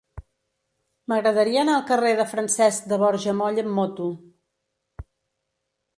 M'agradaria anar al carrer de Francesc de Borja Moll amb moto.